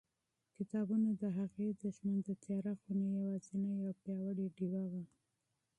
کتابونه د هغې د ژوند د تیاره خونې یوازینۍ او پیاوړې ډېوه وه.